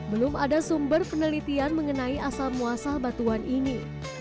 belum ada sumber penelitian mengenai asal muasal batuan ini